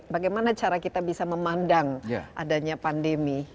bagaimana cara kita bisa memandang adanya pandemi